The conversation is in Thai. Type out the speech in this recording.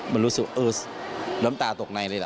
มันรู้สึกน้ำตาตกในเลย